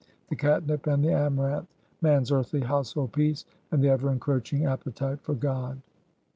The catnip and the amaranth! man's earthly household peace, and the ever encroaching appetite for God.